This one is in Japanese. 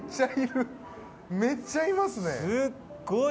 すっごい。